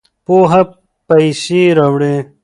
پوهه پیسې راوړي.